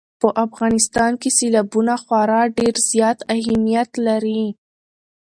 په افغانستان کې سیلابونه خورا ډېر زیات اهمیت لري.